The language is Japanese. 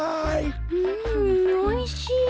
うんおいしい。